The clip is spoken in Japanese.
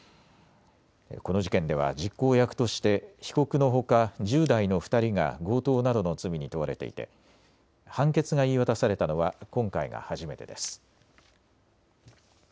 この事件では実行役として被告のほか１０代の２人が強盗などの罪に問われていて判決が言い渡されたのは今回が初めてです。